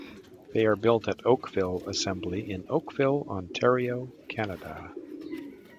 They are built at Oakville Assembly in Oakville, Ontario, Canada.